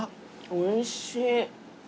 おいしい！